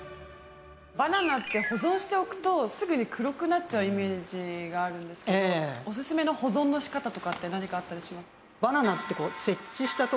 バナナって保存しておくとすぐに黒くなっちゃうイメージがあるんですけれどオススメの保存の仕方とかって何かあったりしますか？